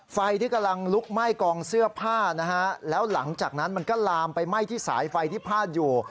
ไฟที่กำลังลุกไหม้กองเสื้อผ้านะฮะแล้วหลังจากนั้นมันก็ลามไปไหม้ที่สายไฟที่พาดอยู่